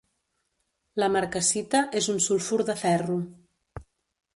La marcassita és un sulfur de ferro.